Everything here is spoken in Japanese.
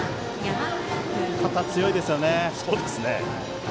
肩、強いですよね。